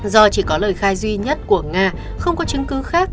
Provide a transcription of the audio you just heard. do chỉ có lời khai duy nhất của nga không có chứng cứ khác